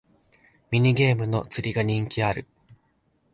ミニゲームの釣りが人気ある